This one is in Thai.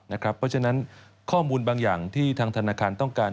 เพราะฉะนั้นข้อมูลบางอย่างที่ทางธนาคารต้องการ